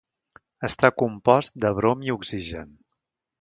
Està compost de brom i oxigen.